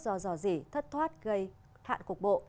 giò giò dỉ thất thoát gây hạn cục bộ